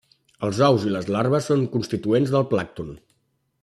Els ous i les larves són constituents del plàncton.